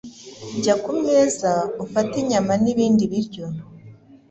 Jya kumeza ufate inyama n' ibindi biryo